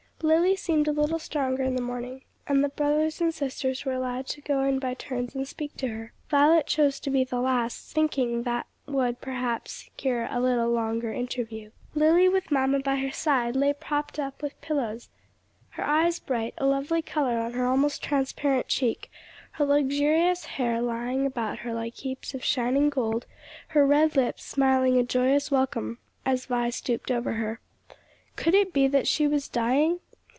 Lily seemed a little stronger in the morning, and the brothers and sisters were allowed to go in by turns and speak to her. Violet chose to be the last, thinking that would, perhaps, secure a little longer interview. Lily with mamma by her side, lay propped up with pillows her eyes bright, a lovely color on her almost transparent cheek, her luxurious hair lying about her like heaps of shining gold, her red lips smiling a joyous welcome, as Vi stooped over her. Could it be that she was dying?